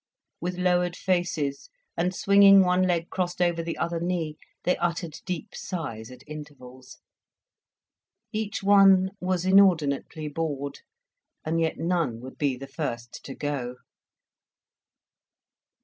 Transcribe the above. With lowered faces, and swinging one leg crossed over the other knee, they uttered deep sighs at intervals; each one was inordinately bored, and yet none would be the first to go.